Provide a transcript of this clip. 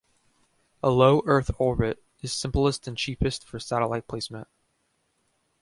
A low Earth orbit is simplest and cheapest for satellite placement.